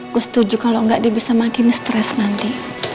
aku setuju kalau gak dia bisa makin stress nanti